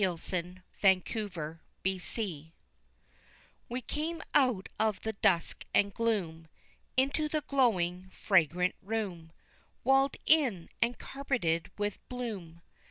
] In the Conservatory We came out of the dusk and gloom, Into the glowing fragrant room, Walled in and carpeted with bloom.